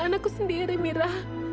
anakku sendiri mira